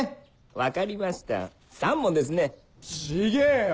分かりました３本ですねちげえよ！